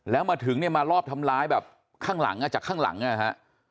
แล้วมาถึงเนี่ยมารอบทำร้ายแบบข้างหลังอ่ะจากข้างหลังอ่ะฮะ